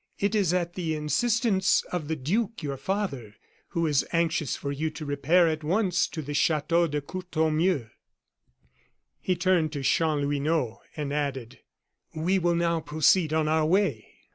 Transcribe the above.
It is at the instance of the duke, your father, who is anxious for you to repair at once to the Chateau de Courtornieu." He turned to Chanlouineau, and added: "We will now proceed on our way."